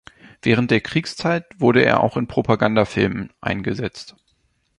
Während der Kriegszeit wurde er auch in Propagandafilmen eingesetzt.